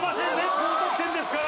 高得点ですから。